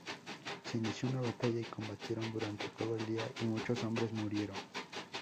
Se inició una batalla y combatieron durante todo el día y muchos hombres murieron.